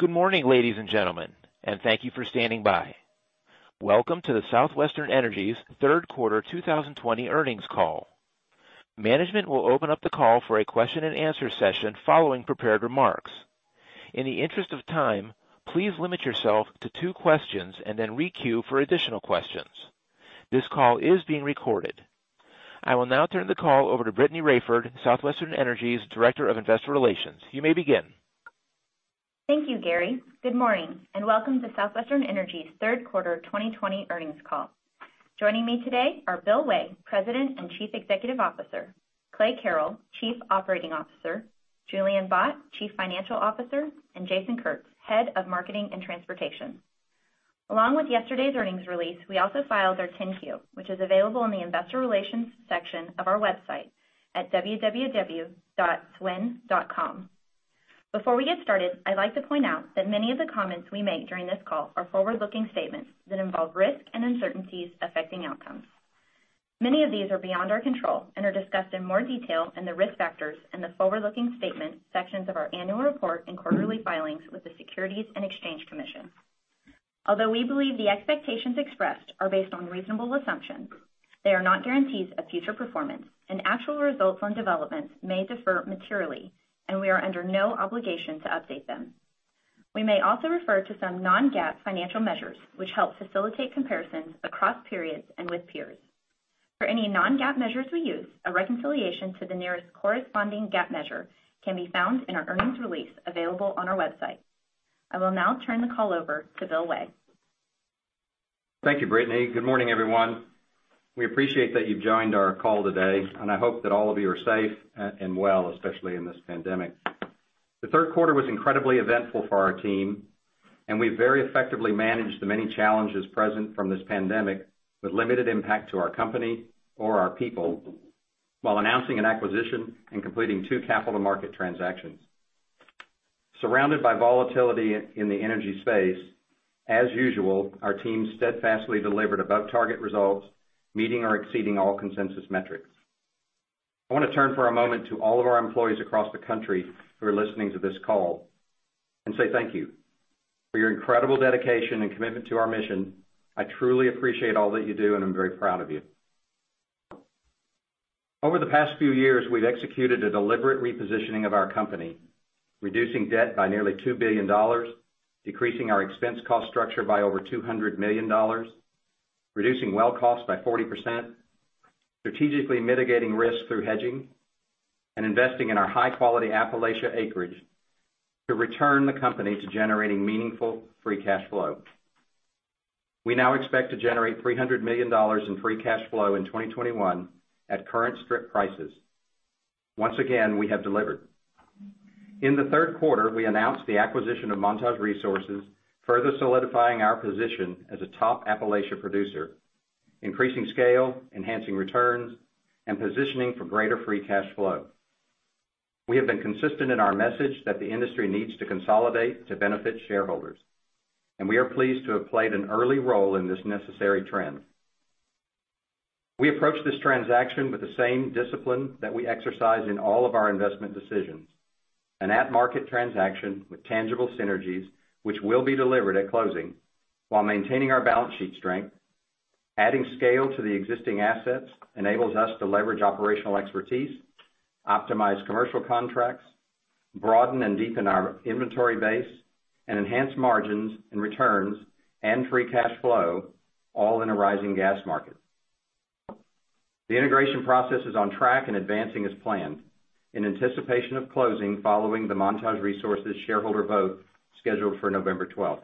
Good morning, ladies and gentlemen, and thank you for standing by. Welcome to the Southwestern Energy's Third Quarter 2020 Earnings Call. Management will open up the call for a question and answer session following prepared remarks. In the interest of time, please limit yourself to two questions and then re-queue for additional questions. This call is being recorded. I will now turn the call over to Brittany Raiford, Southwestern Energy's Director of Investor Relations. You may begin. Thank you, Gary. Good morning, and welcome to Southwestern Energy's third quarter 2020 earnings call. Joining me today are Bill Way, President and Chief Executive Officer, Clay Carrell, Chief Operating Officer, Julian Bott, Chief Financial Officer, and Jason Kurtz, Head of Marketing & Transportation. Along with yesterday's earnings release, we also filed our 10-Q, which is available in the Investor Relations section of our website at www.swn.com. Before we get started, I'd like to point out that many of the comments we make during this call are forward-looking statements that involve risk and uncertainties affecting outcomes. Many of these are beyond our control and are discussed in more detail in the Risk Factors in the Forward-Looking Statement sections of our annual report and quarterly filings with the Securities and Exchange Commission. Although we believe the expectations expressed are based on reasonable assumptions, they are not guarantees of future performance, and actual results and developments may differ materially, and we are under no obligation to update them. We may also refer to some non-GAAP financial measures, which help facilitate comparisons across periods and with peers. For any non-GAAP measures we use, a reconciliation to the nearest corresponding GAAP measure can be found in our earnings release available on our website. I will now turn the call over to Bill Way. Thank you, Brittany. Good morning, everyone. We appreciate that you've joined our call today, and I hope that all of you are safe and well, especially in this pandemic. The third quarter was incredibly eventful for our team, and we very effectively managed the many challenges present from this pandemic with limited impact to our company or our people, while announcing an acquisition and completing two capital market transactions. Surrounded by volatility in the energy space, as usual, our team steadfastly delivered above target results, meeting or exceeding all consensus metrics. I want to turn for a moment to all of our employees across the country who are listening to this call and say thank you for your incredible dedication and commitment to our mission. I truly appreciate all that you do, and I'm very proud of you. Over the past few years, we've executed a deliberate repositioning of our company, reducing debt by nearly $2 billion, decreasing our expense cost structure by over $200 million, reducing well costs by 40%, strategically mitigating risk through hedging, and investing in our high-quality Appalachia acreage to return the company to generating meaningful free cash flow. We now expect to generate $300 million in free cash flow in 2021 at current strip prices. Once again, we have delivered. In the third quarter, we announced the acquisition of Montage Resources, further solidifying our position as a top Appalachia producer, increasing scale, enhancing returns, and positioning for greater free cash flow. We have been consistent in our message that the industry needs to consolidate to benefit shareholders, and we are pleased to have played an early role in this necessary trend. We approach this transaction with the same discipline that we exercise in all of our investment decisions, an at-market transaction with tangible synergies, which will be delivered at closing while maintaining our balance sheet strength. Adding scale to the existing assets enables us to leverage operational expertise, optimize commercial contracts, broaden and deepen our inventory base, and enhance margins and returns and free cash flow, all in a rising gas market. The integration process is on track and advancing as planned in anticipation of closing following the Montage Resources shareholder vote scheduled for November 12th.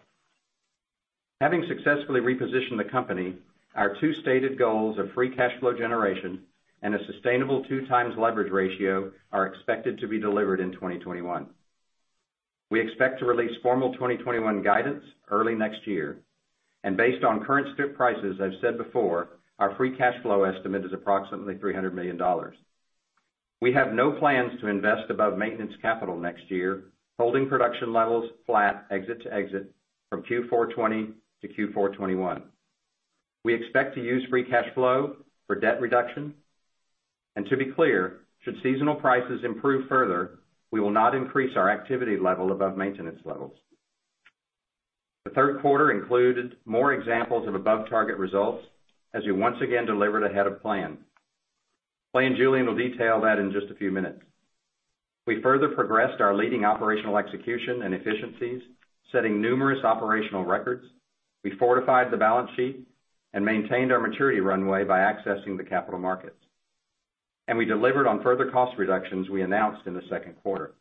Having successfully repositioned the company, our two stated goals of free cash flow generation and a sustainable 2x leverage ratio are expected to be delivered in 2021. We expect to release formal 2021 guidance early next year. Based on current strip prices, I've said before, our free cash flow estimate is approximately $300 million. We have no plans to invest above maintenance capital next year, holding production levels flat exit to exit from Q4 2020 to Q4 2021. We expect to use free cash flow for debt reduction. To be clear, should seasonal prices improve further, we will not increase our activity level above maintenance levels. The third quarter included more examples of above-target results as we once again delivered ahead of plan. Clay and Julian will detail that in just a few minutes. We further progressed our leading operational execution and efficiencies, setting numerous operational records. We fortified the balance sheet and maintained our maturity runway by accessing the capital markets. We delivered on further cost reductions we announced in the second quarter.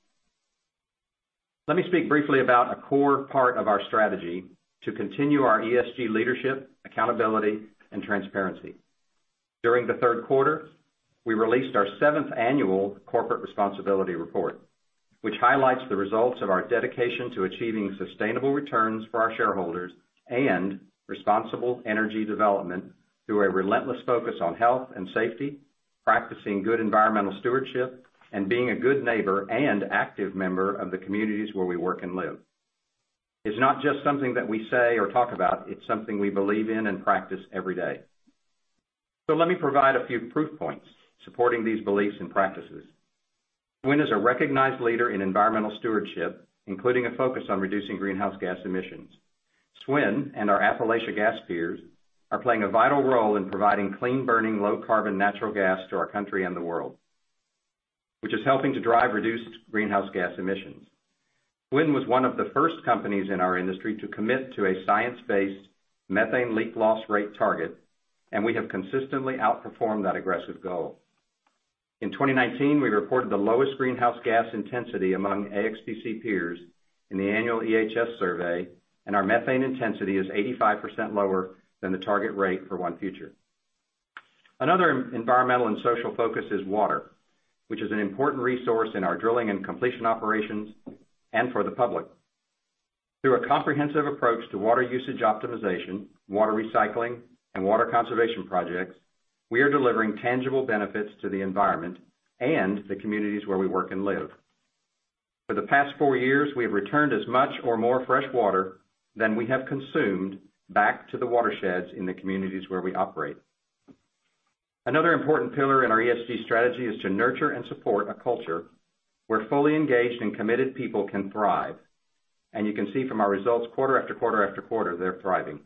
Let me speak briefly about a core part of our strategy to continue our ESG leadership, accountability, and transparency. During the third quarter, we released our seventh annual Corporate Responsibility Report, which highlights the results of our dedication to achieving sustainable returns for our shareholders and responsible energy development through a relentless focus on health and safety, practicing good environmental stewardship, and being a good neighbor and active member of the communities where we work and live. It's not just something that we say or talk about, it's something we believe in and practice every day. Let me provide a few proof points supporting these beliefs and practices. SWN is a recognized leader in environmental stewardship, including a focus on reducing greenhouse gas emissions. SWN and our Appalachia gas peers are playing a vital role in providing clean-burning, low-carbon natural gas to our country and the world, which is helping to drive reduced greenhouse gas emissions. SWN was one of the first companies in our industry to commit to a science-based methane leak loss rate target, and we have consistently outperformed that aggressive goal. In 2019, we reported the lowest greenhouse gas intensity among AXPC peers in the annual EHS survey, and our methane intensity is 85% lower than the target rate for ONE Future. Another environmental and social focus is water, which is an important resource in our drilling and completion operations and for the public. Through a comprehensive approach to water usage optimization, water recycling, and water conservation projects, we are delivering tangible benefits to the environment and the communities where we work and live. For the past four years, we have returned as much or more fresh water than we have consumed back to the watersheds in the communities where we operate. Another important pillar in our ESG strategy is to nurture and support a culture where fully engaged and committed people can thrive. You can see from our results quarter after quarter after quarter, they're thriving.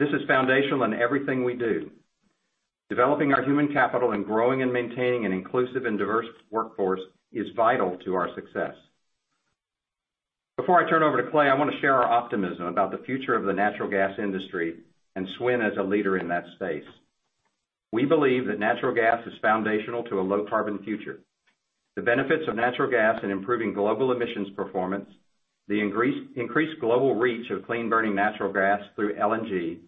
This is foundational in everything we do. Developing our human capital and growing and maintaining an inclusive and diverse workforce is vital to our success. Before I turn over to Clay, I want to share our optimism about the future of the natural gas industry and SWN as a leader in that space. We believe that natural gas is foundational to a low-carbon future. The benefits of natural gas in improving global emissions performance, the increased global reach of clean-burning natural gas through LNG,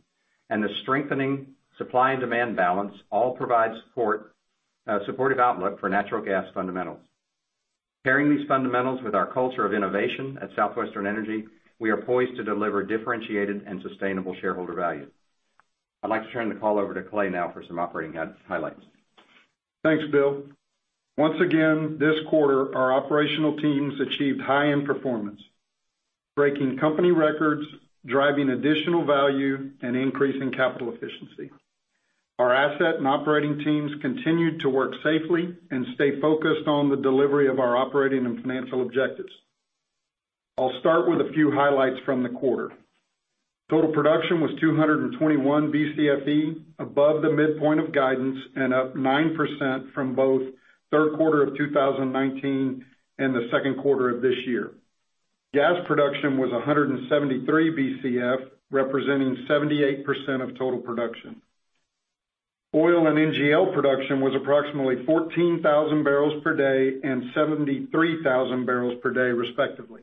and the strengthening supply and demand balance all provide a supportive outlook for natural gas fundamentals. Pairing these fundamentals with our culture of innovation at Southwestern Energy, we are poised to deliver differentiated and sustainable shareholder value. I'd like to turn the call over to Clay now for some operating highlights. Thanks, Bill. Once again, this quarter, our operational teams achieved high-end performance, breaking company records, driving additional value, and increasing capital efficiency. Our asset and operating teams continued to work safely and stay focused on the delivery of our operating and financial objectives. I'll start with a few highlights from the quarter. Total production was 221 BCFE, above the midpoint of guidance and up 9% from both the third quarter of 2019 and the second quarter of this year. Gas production was 173 BCF, representing 78% of total production. Oil and NGL production was approximately 14,000 barrels per day and 73,000 barrels per day respectively.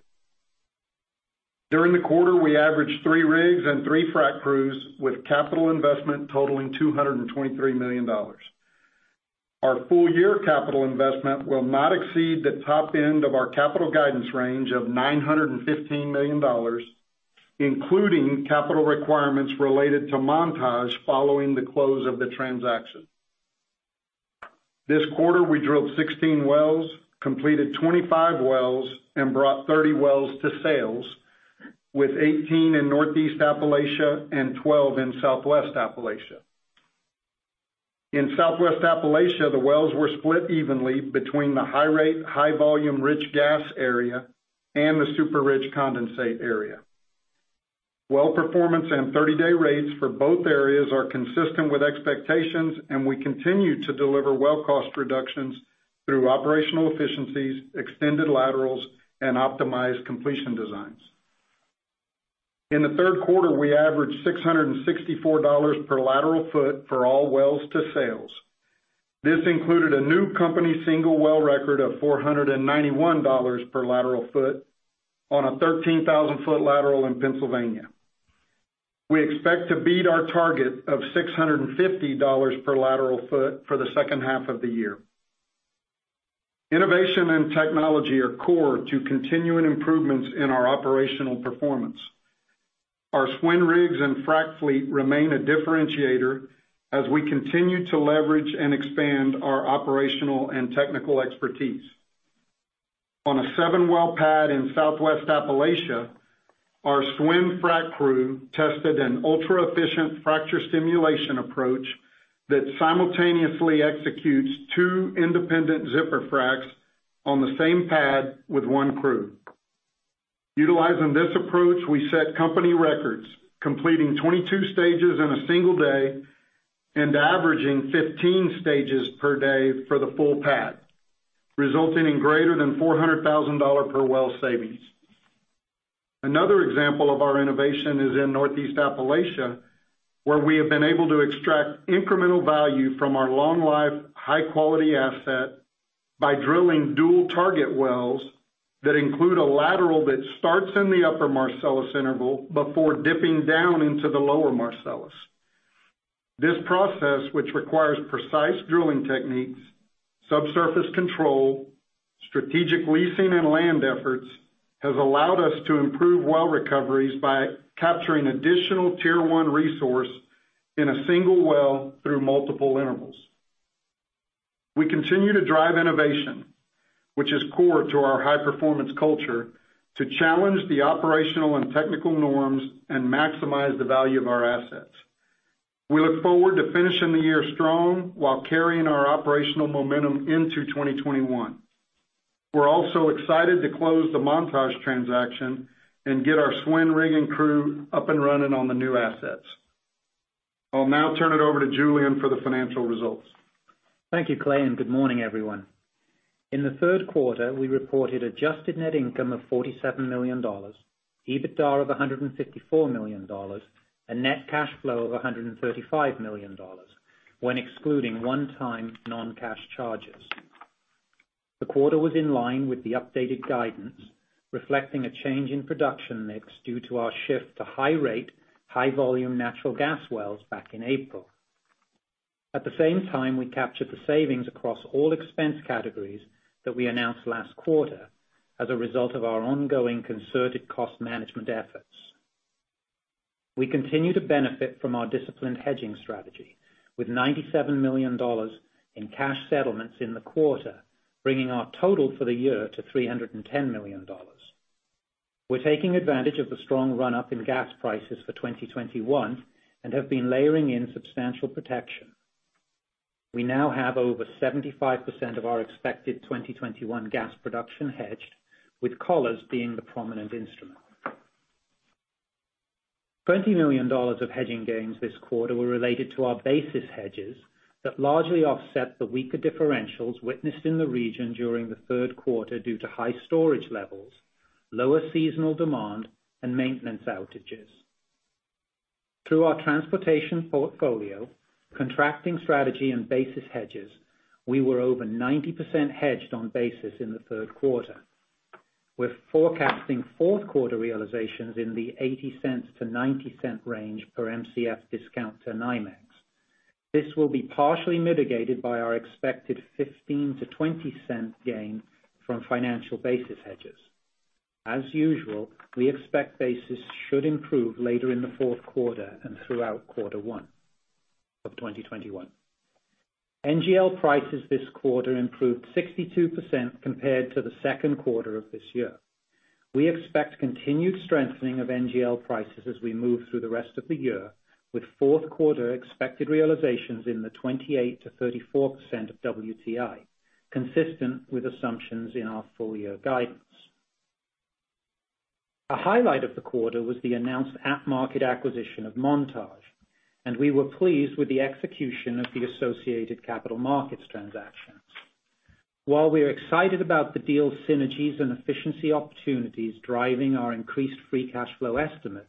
During the quarter, we averaged three rigs and three frack crews with capital investment totaling $223 million. Our full-year capital investment will not exceed the top end of our capital guidance range of $915 million, including capital requirements related to Montage following the close of the transaction. This quarter, we drilled 16 wells, completed 25 wells, and brought 30 wells to sales, with 18 in Northeast Appalachia and 12 in Southwest Appalachia. In Southwest Appalachia, the wells were split evenly between the high-rate, high-volume rich gas area and the super rich condensate area. Well performance and 30-day rates for both areas are consistent with expectations, and we continue to deliver well cost reductions through operational efficiencies, extended laterals, and optimized completion designs. In the third quarter, we averaged $664 per lateral foot for all wells to sales. This included a new company single well record of $491 per lateral foot on a 13,000-ft lateral in Pennsylvania. We expect to beat our target of $650 per lateral foot for the second half of the year. Innovation and technology are core to continuing improvements in our operational performance. Our SWN rigs and frack fleet remain a differentiator as we continue to leverage and expand our operational and technical expertise. On a seven-well pad in Southwest Appalachia, our SWN frack crew tested an ultra-efficient fracture stimulation approach that simultaneously executes two independent zipper fracks on the same pad with one crew. Utilizing this approach, we set company records, completing 22 stages in a single day and averaging 15 stages per day for the full pad, resulting in greater than $400,000 per well savings. Another example of our innovation is in Northeast Appalachia, where we have been able to extract incremental value from our long-life, high-quality asset by drilling dual target wells that include a lateral that starts in the upper Marcellus interval before dipping down into the lower Marcellus. This process, which requires precise drilling techniques, subsurface control, strategic leasing, and land efforts, has allowed us to improve well recoveries by capturing additional Tier 1 resource in a single well through multiple intervals. We continue to drive innovation, which is core to our high-performance culture, to challenge the operational and technical norms and maximize the value of our assets. We look forward to finishing the year strong while carrying our operational momentum into 2021. We're also excited to close the Montage transaction and get our SWN rig and crew up and running on the new assets. I'll now turn it over to Julian for the financial results. Thank you, Clay. Good morning, everyone. In the third quarter, we reported adjusted net income of $47 million, EBITDA of $154 million, and net cash flow of $135 million when excluding one-time non-cash charges. The quarter was in line with the updated guidance, reflecting a change in production mix due to our shift to high rate, high volume natural gas wells back in April. At the same time, we captured the savings across all expense categories that we announced last quarter as a result of our ongoing concerted cost management efforts. We continue to benefit from our disciplined hedging strategy with $97 million in cash settlements in the quarter, bringing our total for the year to $310 million. We're taking advantage of the strong run-up in gas prices for 2021 and have been layering in substantial protection. We now have over 75% of our expected 2021 gas production hedged, with collars being the prominent instrument. $20 million of hedging gains this quarter were related to our basis hedges that largely offset the weaker differentials witnessed in the region during the third quarter due to high storage levels, lower seasonal demand, and maintenance outages. Through our transportation portfolio, contracting strategy, and basis hedges, we were over 90% hedged on basis in the third quarter. We're forecasting fourth quarter realizations in the $0.80-$0.90 range per Mcf discount to NYMEX. This will be partially mitigated by our expected $0.15-$0.20 gain from financial basis hedges. As usual, we expect basis should improve later in the fourth quarter and throughout quarter one of 2021. NGL prices this quarter improved 62% compared to the second quarter of this year. We expect continued strengthening of NGL prices as we move through the rest of the year, with fourth quarter expected realizations in the 28%-34% of WTI, consistent with assumptions in our full-year guidance. A highlight of the quarter was the announced at-market acquisition of Montage, and we were pleased with the execution of the associated capital markets transactions. While we are excited about the deal synergies and efficiency opportunities driving our increased free cash flow estimates,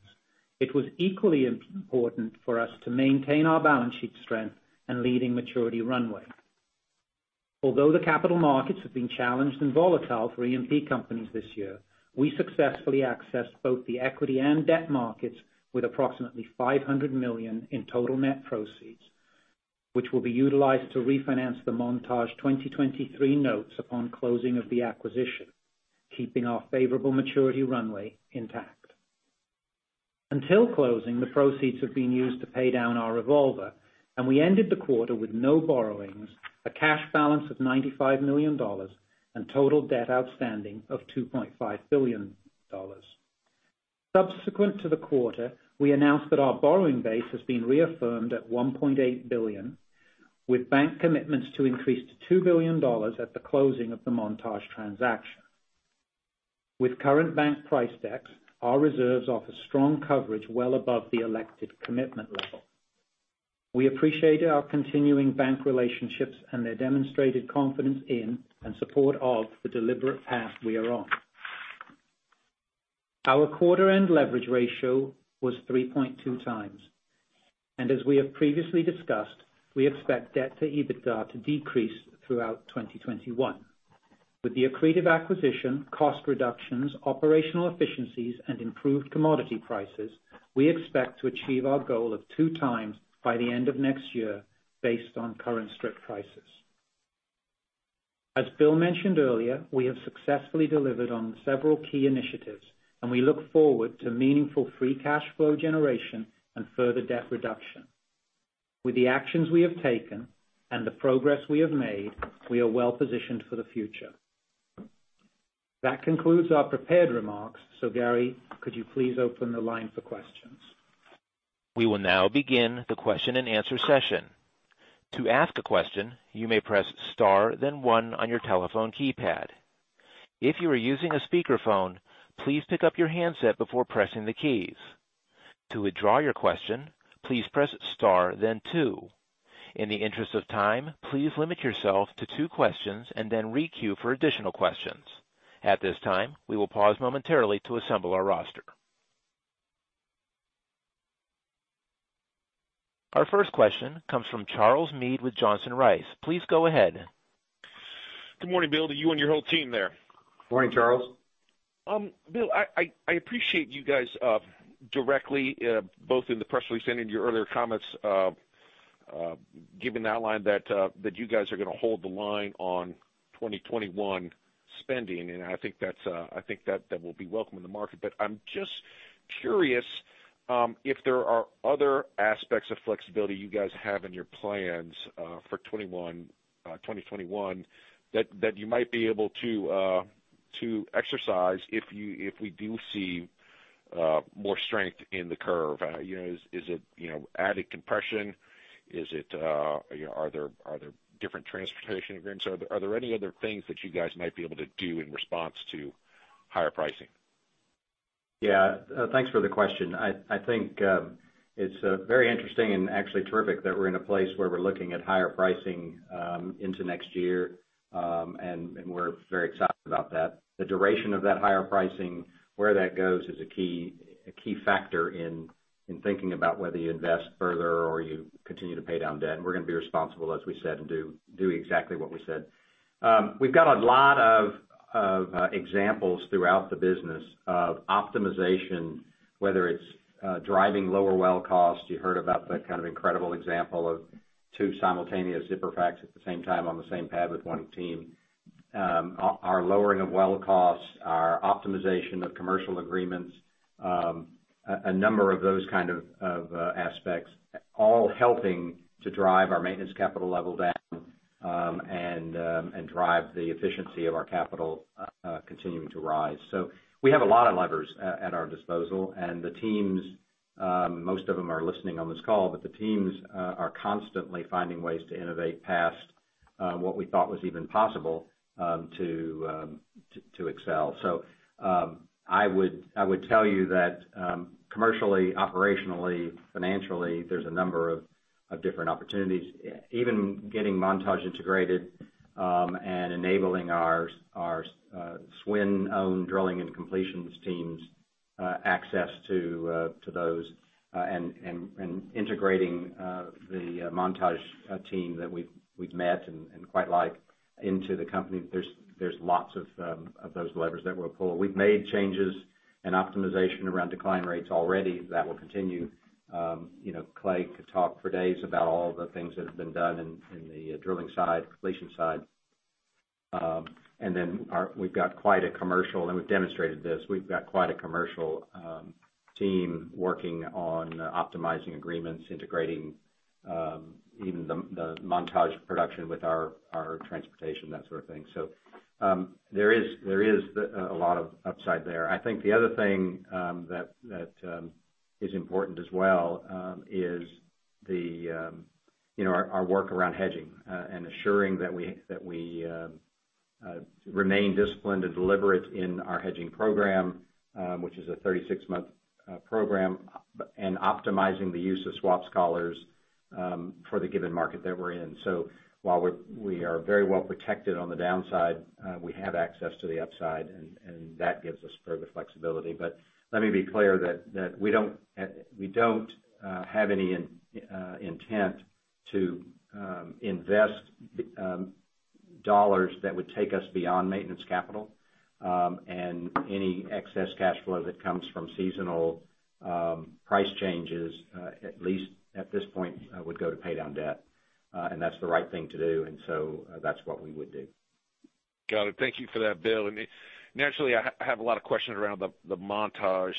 it was equally important for us to maintain our balance sheet strength and leading maturity runway. Although the capital markets have been challenged and volatile for E&P companies this year, we successfully accessed both the equity and debt markets with approximately $500 million in total net proceeds, which will be utilized to refinance the Montage 2023 notes upon closing of the acquisition, keeping our favorable maturity runway intact. Until closing, the proceeds have been used to pay down our revolver, and we ended the quarter with no borrowings, a cash balance of $95 million, and total debt outstanding of $2.5 billion. Subsequent to the quarter, we announced that our borrowing base has been reaffirmed at $1.8 billion, with bank commitments to increase to $2 billion at the closing of the Montage transaction. With current bank price decks, our reserves offer strong coverage well above the elected commitment level. We appreciate our continuing bank relationships and their demonstrated confidence in and support of the deliberate path we are on. Our quarter-end leverage ratio was 3.2x, and as we have previously discussed, we expect debt to EBITDA to decrease throughout 2021. With the accretive acquisition, cost reductions, operational efficiencies, and improved commodity prices, we expect to achieve our goal of 2x by the end of next year based on current strip prices. As Bill mentioned earlier, we have successfully delivered on several key initiatives, and we look forward to meaningful free cash flow generation and further debt reduction. With the actions we have taken and the progress we have made, we are well-positioned for the future. That concludes our prepared remarks. Gary, could you please open the line for questions? We will now begin the question and answer session. To ask a question, you may press star then one on your telephone keypad. If you are using a speakerphone, please pick up your handset before pressing the keys. To withdraw your question, please press star then two. In the interest of time, please limit yourself to two questions and then re-queue for additional questions. At this time, we will pause momentarily to assemble our roster. Our first question comes from Charles Mead with Johnson Rice. Please go ahead. Good morning, Bill, to you and your whole team there. Morning, Charles. Bill, I appreciate you guys directly, both in the press release and in your earlier comments, giving the outline that you guys are going to hold the line on 2021 spending. I think that will be welcome in the market. I'm just curious if there are other aspects of flexibility you guys have in your plans for 2021 that you might be able to exercise if we do see more strength in the curve? Is it added compression? Are there different transportation agreements? Are there any other things that you guys might be able to do in response to higher pricing? Yeah. Thanks for the question. I think it's very interesting and actually terrific that we're in a place where we're looking at higher pricing into next year. We're very excited about that. The duration of that higher pricing, where that goes is a key factor in thinking about whether you invest further or you continue to pay down debt. We're going to be responsible, as we said, and do exactly what we said. We've got a lot of examples throughout the business of optimization, whether it's driving lower well costs. You heard about the incredible example of two simultaneous zipper fracs at the same time on the same pad with one team. Our lowering of well costs, our optimization of commercial agreements, a number of those kind of aspects, all helping to drive our maintenance capital level down. Drive the efficiency of our capital continuing to rise. We have a lot of levers at our disposal, and the teams, most of them are listening on this call, but the teams are constantly finding ways to innovate past what we thought was even possible to excel. I would tell you that commercially, operationally, financially, there's a number of different opportunities. Even getting Montage integrated and enabling our SWN-owned drilling and completions teams access to those, and integrating the Montage team that we've met and quite like into the company. There's lots of those levers that we'll pull. We've made changes and optimization around decline rates already that will continue. Clay could talk for days about all the things that have been done in the drilling side, completion side. We've demonstrated this. We've got quite a commercial team working on optimizing agreements, integrating even the Montage production with our transportation, that sort of thing. There is a lot of upside there. I think the other thing that is important as well is our work around hedging, and assuring that we remain disciplined and deliberate in our hedging program, which is a 36-month program, and optimizing the use of swaps collars for the given market that we're in. While we are very well protected on the downside, we have access to the upside, and that gives us further flexibility. Let me be clear that we don't have any intent to invest dollars that would take us beyond maintenance capital, and any excess cash flow that comes from seasonal price changes, at least at this point, would go to pay down debt. That's the right thing to do, and so that's what we would do. Got it. Thank you for that, Bill. Naturally, I have a lot of questions around the Montage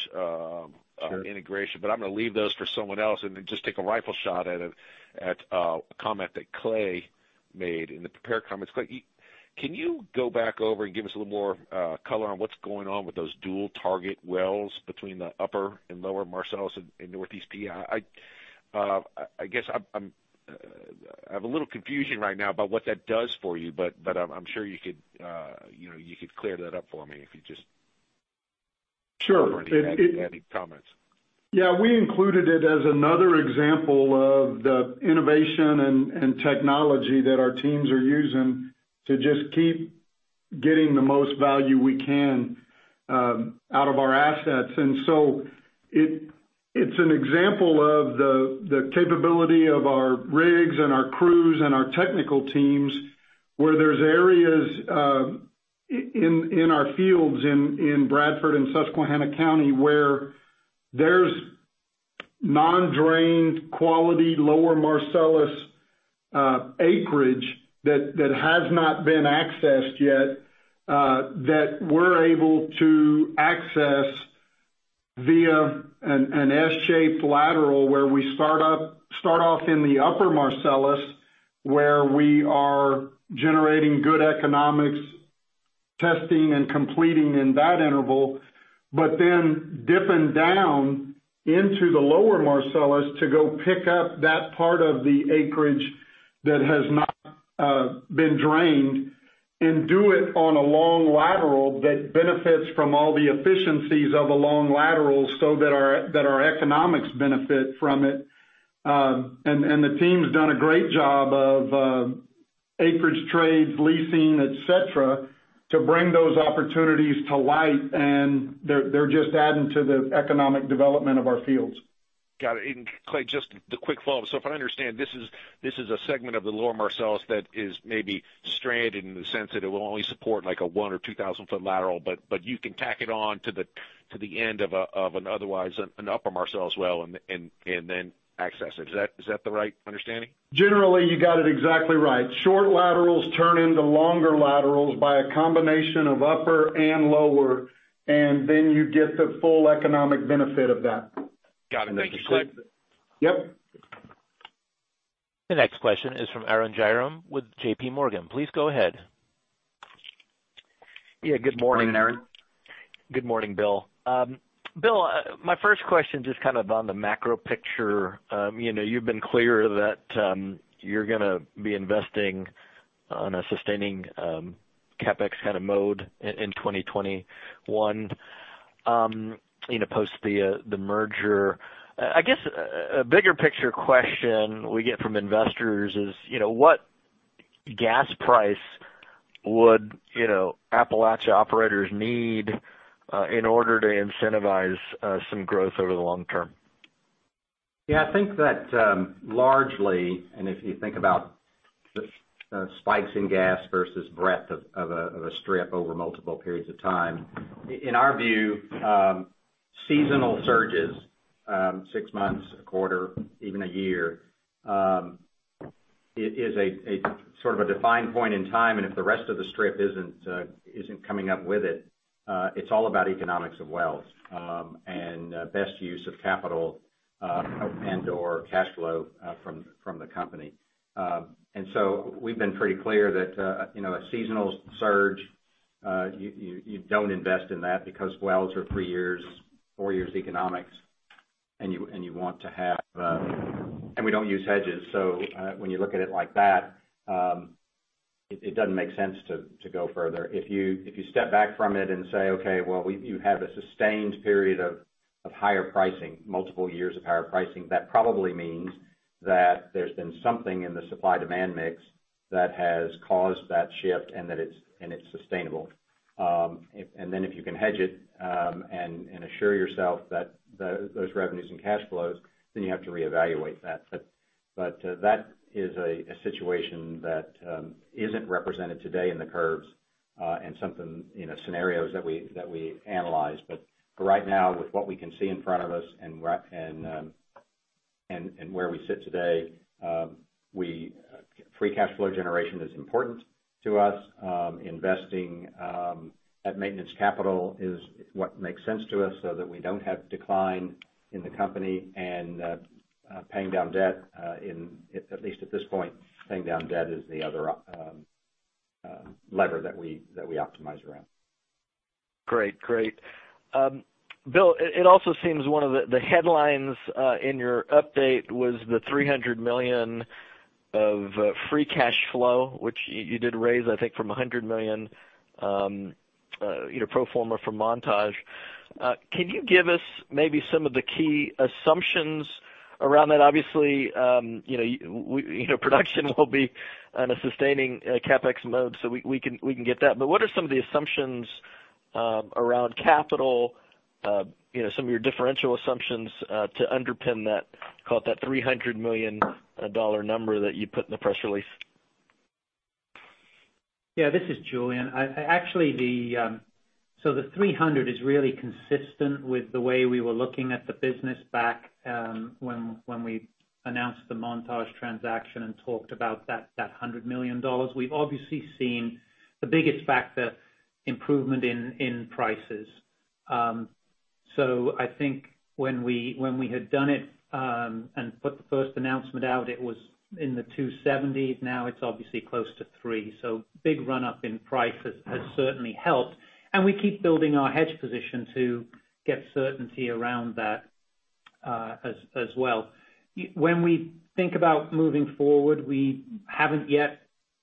integration. Sure. I'm going to leave those for someone else and then just take a rifle shot at a comment that Clay made in the prepared comments. Clay, can you go back over and give us a little more color on what's going on with those dual target wells between the upper and lower Marcellus in Northeast PA? I guess I have a little confusion right now about what that does for you. I'm sure you could clear that up for me. Sure. If you have any comments. Yeah. We included it as another example of the innovation and technology that our teams are using to just keep getting the most value we can out of our assets. It's an example of the capability of our rigs and our crews and our technical teams, where there's areas in our fields in Bradford and Susquehanna County where there's non-drained quality lower Marcellus acreage that has not been accessed yet, that we're able to access via an S-shaped lateral where we start off in the upper Marcellus, where we are generating good economics, testing and completing in that interval. Dip and down into the lower Marcellus to go pick up that part of the acreage that has not been drained and do it on a long lateral that benefits from all the efficiencies of a long lateral so that our economics benefit from it. The team's done a great job of acreage trades, leasing, et cetera, to bring those opportunities to light, and they're just adding to the economic development of our fields. Got it. Clay, just the quick follow-up. If I understand, this is a segment of the lower Marcellus that is maybe stranded in the sense that it will only support like a 1,000-ft or 2,000-ft lateral, but you can tack it on to the end of an otherwise an upper Marcellus well and then access it. Is that the right understanding? Generally, you got it exactly right. Short laterals turn into longer laterals by a combination of upper and lower, and then you get the full economic benefit of that. Got it. Thank you, Clay. Yep. The next question is from Arun Jayaram with JPMorgan. Please go ahead. Yeah. Good morning, Arun. Good morning, Bill. Bill, my first question, just on the macro picture. You've been clear that you're going to be investing on a sustaining CapEx kind of mode in 2021 post the merger. I guess a bigger picture question we get from investors is, what gas price would Appalachia operators need in order to incentivize some growth over the long term? Yeah. I think that largely, if you think about the spikes in gas versus breadth of a strip over multiple periods of time, in our view, seasonal surges six months, a quarter, even a year, is a sort of a defined point in time, and if the rest of the strip isn't coming up with it's all about economics of wells and best use of capital and/or cash flow from the company. So we've been pretty clear that a seasonal surge, you don't invest in that because wells are three years, four years economics, and we don't use hedges. When you look at it like that, it doesn't make sense to go further. If you step back from it and say, okay, well, you have a sustained period of higher pricing, multiple years of higher pricing, that probably means that there's been something in the supply-demand mix that has caused that shift, and it's sustainable. If you can hedge it and assure yourself those revenues and cash flows, then you have to reevaluate that. That is a situation that isn't represented today in the curves, and scenarios that we analyze. For right now, with what we can see in front of us and where we sit today, free cash flow generation is important to us. Investing that maintenance capital is what makes sense to us so that we don't have decline in the company. At least at this point, paying down debt is the other lever that we optimize around. Great. Bill, it also seems one of the headlines in your update was the $300 million of free cash flow, which you did raise, I think, from $100 million pro forma from Montage. Can you give us maybe some of the key assumptions around that? Obviously, production will be on a sustaining CapEx mode, so we can get that. What are some of the assumptions around capital, some of your differential assumptions to underpin that, call it that $300 million number that you put in the press release? Yeah, this is Julian. The $300 million is really consistent with the way we were looking at the business back when we announced the Montage transaction and talked about that $100 million. We've obviously seen the biggest factor improvement in prices. I think when we had done it and put the first announcement out, it was in the $270s million. Now it's obviously close to $300 million. Big run-up in price has certainly helped. We keep building our hedge position to get certainty around that as well. When we think about moving forward, we haven't yet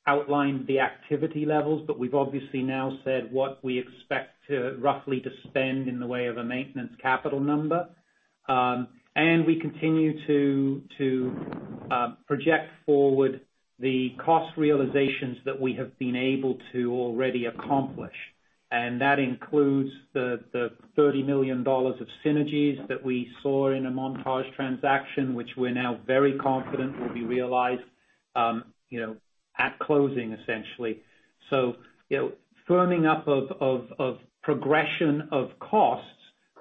outlined the activity levels, but we've obviously now said what we expect to roughly to spend in the way of a maintenance capital number. We continue to project forward the cost realizations that we have been able to already accomplish, and that includes the $30 million of synergies that we saw in a Montage transaction, which we're now very confident will be realized at closing, essentially. Firming up of progression of costs,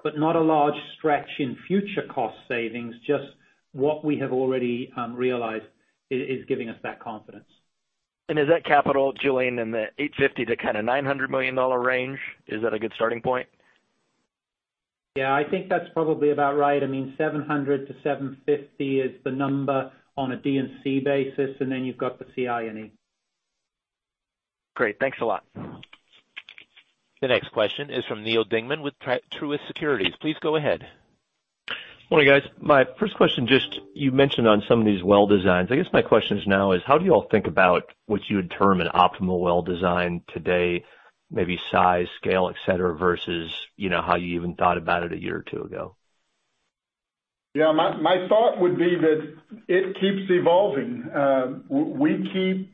but not a large stretch in future cost savings, just what we have already realized is giving us that confidence. Is that capital, Julian, in the $850 million to kind of $900 million range? Is that a good starting point? Yeah, I think that's probably about right. $700 million-$750 million is the number on a D&C basis, and then you've got the CI&E. Great. Thanks a lot. The next question is from Neal Dingmann with Truist Securities. Please go ahead. Morning, guys. My first question, just you mentioned on some of these well designs. I guess my question now is, how do you all think about what you would term an optimal well design today, maybe size, scale, et cetera, versus how you even thought about it a year or two ago? Yeah, my thought would be that it keeps evolving. We keep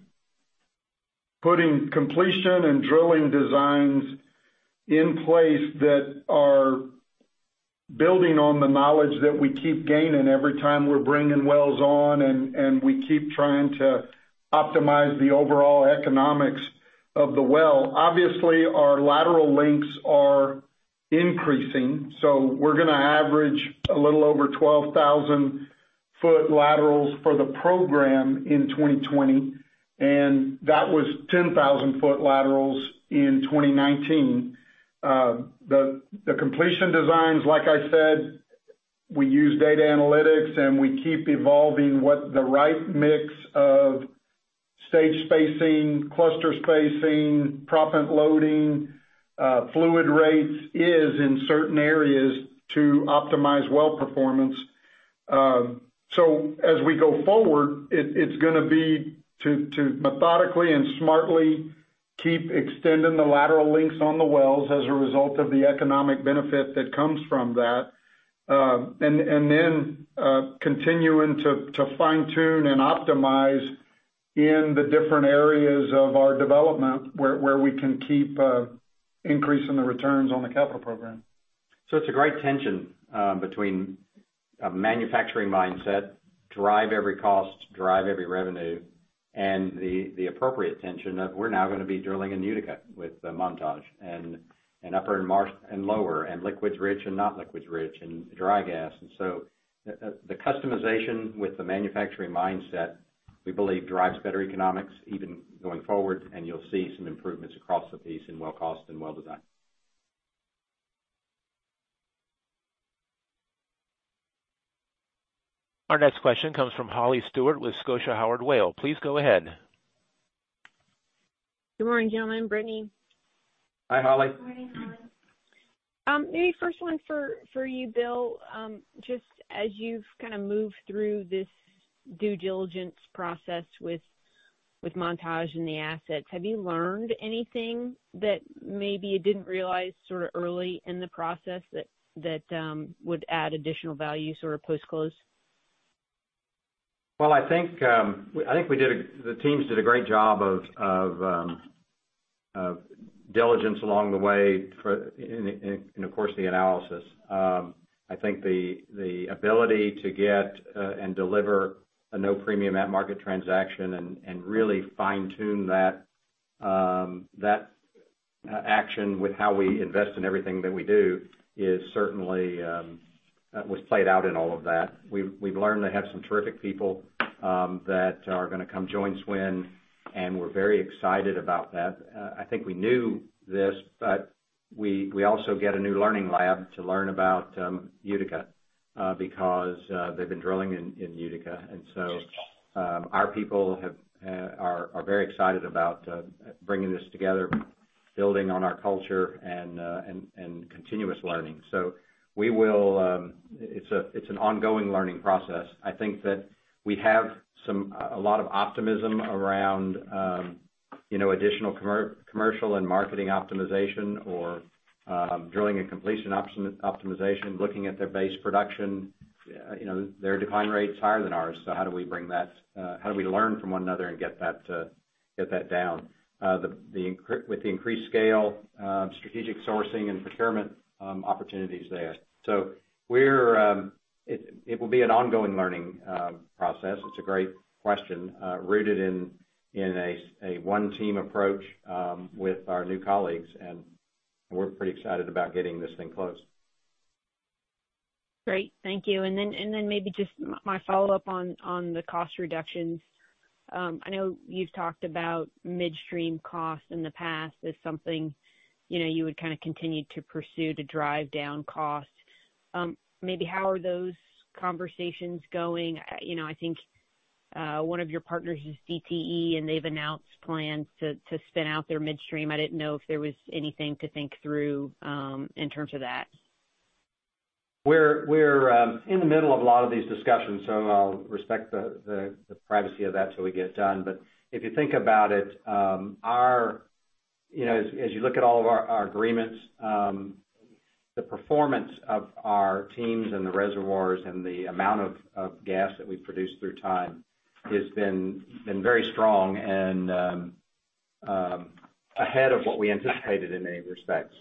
putting completion and drilling designs in place that are building on the knowledge that we keep gaining every time we're bringing wells on, and we keep trying to optimize the overall economics of the well. Obviously, our lateral lengths are increasing, so we're going to average a little over 12,000-ft laterals for the program in 2020. That was 10,000-ft laterals in 2019. The completion designs, like I said, we use data analytics, and we keep evolving what the right mix of stage spacing, cluster spacing, proppant loading, fluid rates is in certain areas to optimize well performance. As we go forward, it's going to be to methodically and smartly keep extending the lateral lengths on the wells as a result of the economic benefit that comes from that. Continuing to fine-tune and optimize in the different areas of our development where we can keep increasing the returns on the capital program. It's a great tension between a manufacturing mindset, drive every cost, drive every revenue, and the appropriate tension of we're now going to be drilling in Utica with Montage, and upper and lower, and liquids rich and not liquids rich, and dry gas. The customization with the manufacturing mindset, we believe drives better economics even going forward. You'll see some improvements across the piece in well cost and well design. Our next question comes from Holly Stewart with Scotia Howard Weil. Please go ahead. Good morning, gentlemen, Brittany. Hi, Holly. Morning, Holly. Maybe first one for you, Bill. Just as you've kind of moved through this due diligence process with Montage and the assets, have you learned anything that maybe you didn't realize early in the process that would add additional value post-close? Well, I think the teams did a great job of diligence along the way and of course, the analysis. I think the ability to get and deliver a no premium at-market transaction and really fine-tune that action with how we invest in everything that we do certainly was played out in all of that. We've learned they have some terrific people that are going to come join SWN, and we're very excited about that. I think we knew this. We also get a new learning lab to learn about Utica, because they've been drilling in Utica. Our people are very excited about bringing this together, building on our culture, and continuous learning. It's an ongoing learning process. I think that we have a lot of optimism around additional commercial and marketing optimization or drilling and completion optimization, looking at their base production. Their decline rate is higher than ours. How do we learn from one another and get that down with the increased scale, strategic sourcing and procurement opportunities there. It will be an ongoing learning process. It's a great question rooted in a one-team approach with our new colleagues, and we're pretty excited about getting this thing closed. Great. Thank you. Then maybe just my follow-up on the cost reductions. I know you've talked about midstream costs in the past as something you would kind of continue to pursue to drive down costs. Maybe how are those conversations going? I think one of your partners is DTE, and they've announced plans to spin out their midstream. I didn't know if there was anything to think through in terms of that. We're in the middle of a lot of these discussions. I'll respect the privacy of that till we get it done. If you think about it, as you look at all of our agreements, the performance of our teams and the reservoirs and the amount of gas that we've produced through time has been very strong and ahead of what we anticipated in many respects.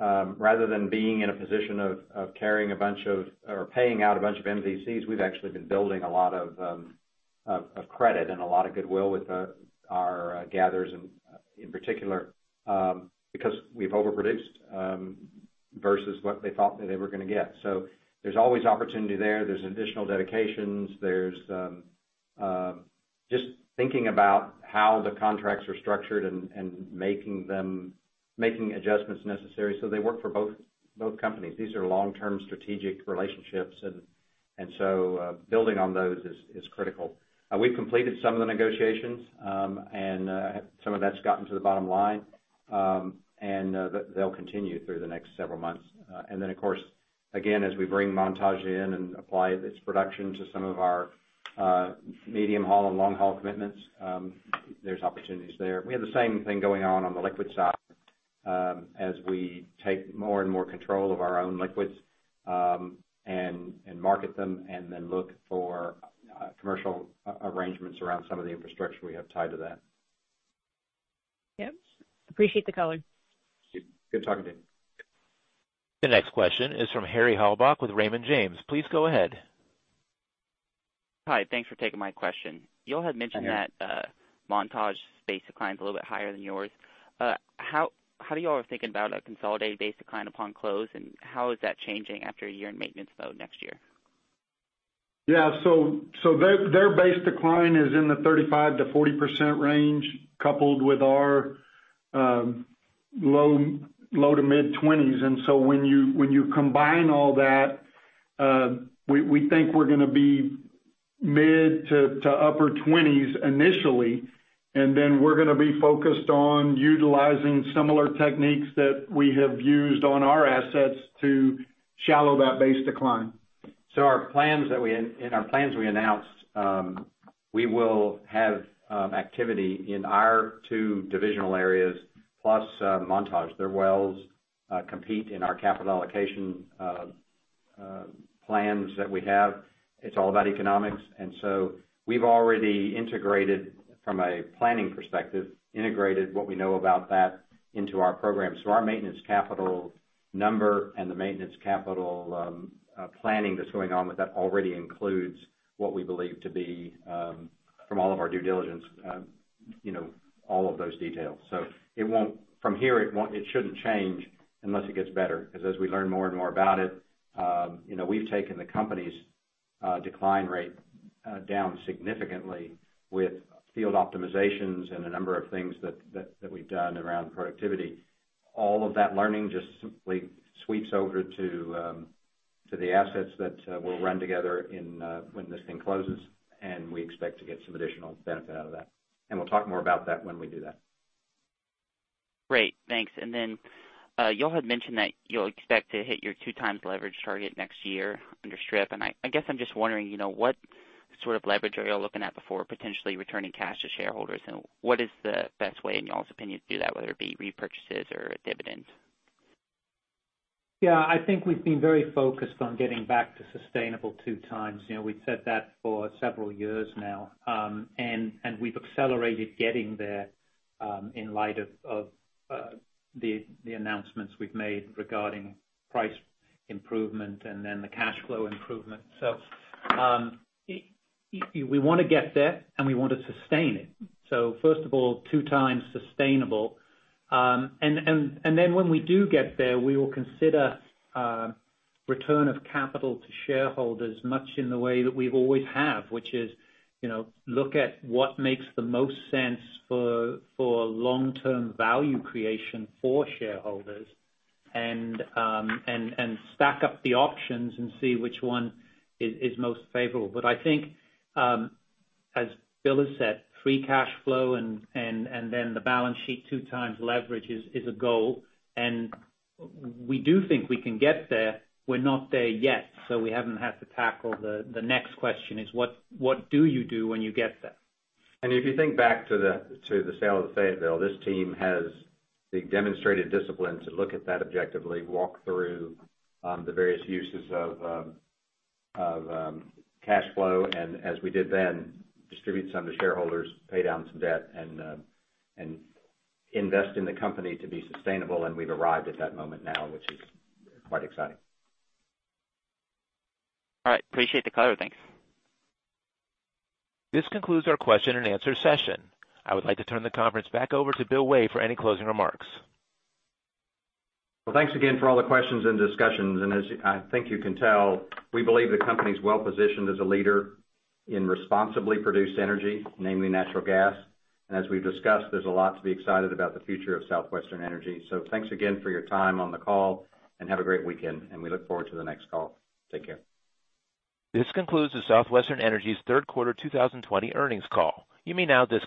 Rather than being in a position of carrying a bunch of or paying out a bunch of MVCs, we've actually been building a lot of credit and a lot of goodwill with our gatherers in particular, because we've overproduced versus what they thought that they were going to get. There's always opportunity there. There's additional dedications. Just thinking about how the contracts are structured and making adjustments necessary so they work for both companies. These are long-term strategic relationships, and so building on those is critical. We've completed some of the negotiations, and some of that's gotten to the bottom line. They'll continue through the next several months. Then, of course, again, as we bring Montage in and apply its production to some of our medium-haul and long-haul commitments, there's opportunities there. We have the same thing going on on the liquid side as we take more and more control of our own liquids and market them, and then look for commercial arrangements around some of the infrastructure we have tied to that. Yep. Appreciate the color. Good talking to you. The next question is from Harry Halbach with Raymond James. Please go ahead. Hi, thanks for taking my question. Hi, Harry. You all had mentioned that Montage's base decline's a little bit higher than yours. How do you all think about a consolidated base decline upon close, and how is that changing after a year in maintenance mode next year? Yeah. So their base decline is in the 35%-40% range, coupled with our low to mid-20s. When you combine all that, we think we're going to be mid to upper 20s initially, and then we're going to be focused on utilizing similar techniques that we have used on our assets to shallow that base decline. In our plans we announced, we will have activity in our two divisional areas, plus Montage. Their wells compete in our capital allocation plans that we have. It's all about economics. We've already, from a planning perspective, integrated what we know about that into our program. Our maintenance capital number and the maintenance capital planning that's going on with that already includes what we believe to be, from all of our due diligence, all of those details. From here, it shouldn't change unless it gets better. As we learn more and more about it, we've taken the company's decline rate down significantly with field optimizations and a number of things that we've done around productivity. All of that learning just simply sweeps over to the assets that will run together when this thing closes, and we expect to get some additional benefit out of that. We'll talk more about that when we do that. Great, thanks. You all had mentioned that you'll expect to hit your 2x leverage target next year under strip. I guess I'm just wondering, what sort of leverage are you all looking at before potentially returning cash to shareholders? What is the best way, in you all's opinion, to do that, whether it be repurchases or dividends? Yeah. I think we've been very focused on getting back to sustainable 2x. We've said that for several years now. We've accelerated getting there in light of the announcements we've made regarding price improvement and then the cash flow improvement. We want to get there, and we want to sustain it. First of all, 2x sustainable. Then when we do get there, we will consider return of capital to shareholders, much in the way that we always have, which is look at what makes the most sense for long-term value creation for shareholders, and stack up the options and see which one is most favorable. I think, as Bill has said, free cash flow and then the balance sheet 2x leverage is a goal. We do think we can get there. We're not there yet, we haven't had to tackle the next question, is what do you do when you get there? If you think back to the sale of Fayetteville, this team has the demonstrated discipline to look at that objectively, walk through the various uses of cash flow, and as we did then, distribute some to shareholders, pay down some debt, and invest in the company to be sustainable. We've arrived at that moment now, which is quite exciting. All right. Appreciate the color. Thanks. This concludes our question and answer session. I would like to turn the conference back over to Bill Way for any closing remarks. Well, thanks again for all the questions and discussions. As I think you can tell, we believe the company's well-positioned as a leader in responsibly produced energy, namely natural gas. As we've discussed, there's a lot to be excited about the future of Southwestern Energy. Thanks again for your time on the call, and have a great weekend. We look forward to the next call. Take care. This concludes Southwestern Energy's third quarter 2020 earnings call. You may now disconnect.